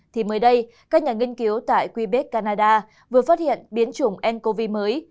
thì mới đây các nhà nghiên cứu tại quebec canada vừa phát hiện biến chủng ncov mới